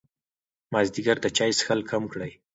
مازدیګر د چای څښل کم کړئ.